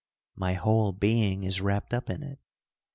My whole being is wrapped up in it.